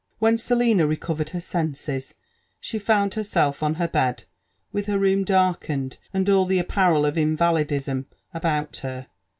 When Selina recovered her senses, she found herseK oin her bed,, with her room darkened and all the appareil of invalidism about her.